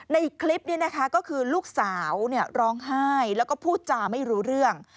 ในคลิปนี้นะคะก็คือลูกสาวร้องไห้แล้วก็พูดจาไม่รู้เรื่อง